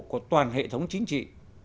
của toàn hệ thống chính trị